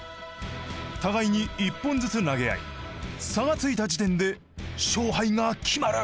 互いに１本ずつ投げ合い差がついた時点で勝敗が決まる。